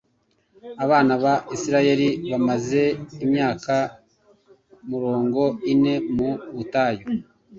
Abana ba Isirayeli bamaze imyaka morongo ine mu butayu